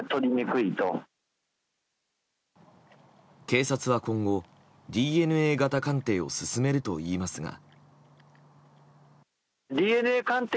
警察は今後、ＤＮＡ型鑑定を進めるといいますが。